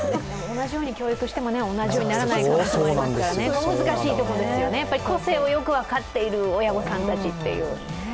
同じように教育しても同じようにならない可能性もありますからそこが難しいところですよね、個性をよく分かっている親御さんたちっていう。